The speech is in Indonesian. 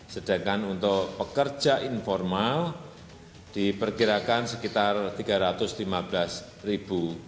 sedangkan untuk pekerja informal diperkirakan sekitar tiga ratus lima belas ribu